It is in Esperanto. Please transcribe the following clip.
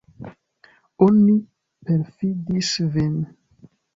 Oni perfidis vin.